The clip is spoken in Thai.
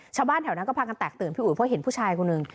ชาวบ้านแถวนั้นก็พากันแตกตื่นพี่อุ๋ยเพราะเห็นผู้ชายคนหนึ่ง